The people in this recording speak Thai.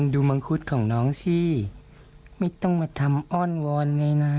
มังคุดของน้องสิไม่ต้องมาทำอ้อนวอนไงนะ